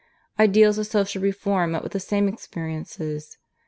Ideals of Social Reform met with the same experiences.